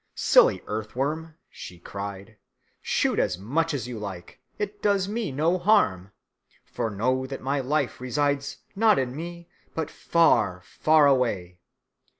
"Silly earthworm," she cried, "shoot as much as you like. It does me no harm. For know that my life resides not in me but far, far away.